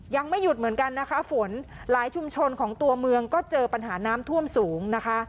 ยังไม่หยุดเหมือนกันนะคะฝนหลายชุมชนของตัวเมืองก็เจอปัญหาน้ำท่วมสูงนะคะ